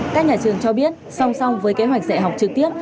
các nhà trường cho biết song song với kế hoạch dạy học trực tiếp